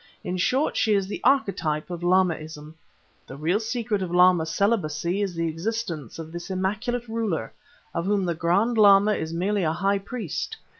In short, she is the archetype of Lamaism. The real secret of Lama celibacy is the existence of this immaculate ruler, of whom the Grand Lama is merely a high priest.